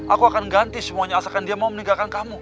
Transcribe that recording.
aku akan ganti semuanya asalkan dia mau meninggalkan kamu